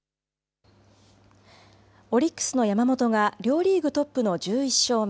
オリックスの山本が両リーグトップの１１勝目。